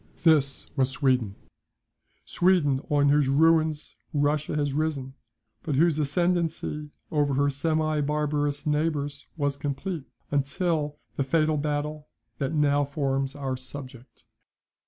This was Sweden; Sweden, on whose ruins Russia has risen; but whose ascendancy over her semi barbarous neighbours was complete, until the fatal battle that now forms our subject.